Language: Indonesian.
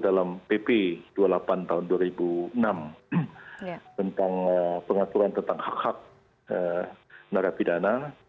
yang kemudian juga diatur dalam pp dua puluh delapan tahun dua ribu enam tentang pengaturan tentang hak hak merapidana